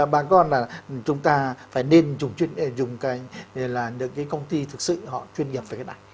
bà con là chúng ta phải nên dùng cái công ty thực sự họ chuyên nghiệp phải cái này